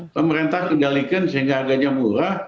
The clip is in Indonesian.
pemerintah kendalikan sehingga harganya murah